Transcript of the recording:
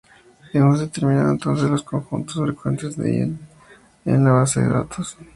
Hemos determinado entonces los conjuntos frecuentes de ítems en la base de datos.